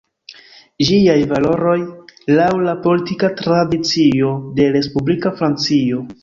Ĝiaj valoroj, laŭ la politika tradicio de respublika Francio.